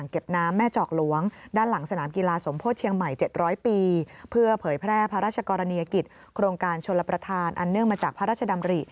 เก็บร้อยปีเพื่อเผยแพร่พระราชกรณียกิจโครงการชนรับประทานอันเนื่องมาจากพระราชดำริ